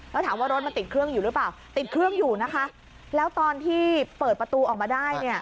แล้วถามว่ารถมันติดเครื่องอยู่หรือเปล่าติดเครื่องอยู่นะคะแล้วตอนที่เปิดประตูออกมาได้เนี่ย